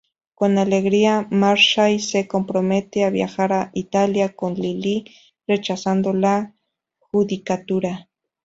Con alegría, Marshall se compromete a viajar a Italia con Lily, rechazando la judicatura.